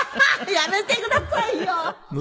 やめてくださいよ。